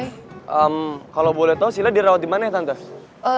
ehm kalo boleh tau shilla dirawat dimana ya tante